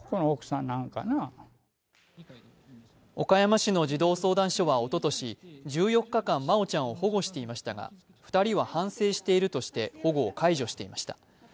岡山市の児童相談所はおととし１４日間、真愛ちゃんを保護していましたが２人は反省しているとして保護を解除していました。